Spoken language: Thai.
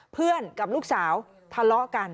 เพื่อนกับลูกสาวทะเลาะกัน